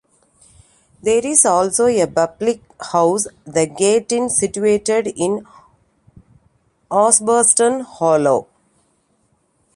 There is also a public house, The Gate Inn, situated in Osbaston Hollow.